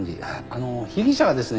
あの被疑者がですね